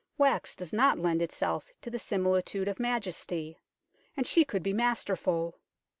Wax does not lend itself to the similitude of majesty. And she could be masterful.